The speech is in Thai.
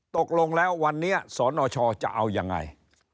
ตกลงแล้ววันนี้สนชจะเอายังไง